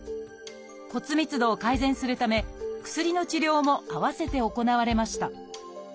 骨密度を改善するため薬の治療も併せて行われました。